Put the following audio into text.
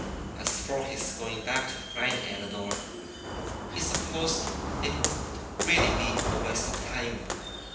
As for his going back to find Elinor, he supposed it would really be a waste of time.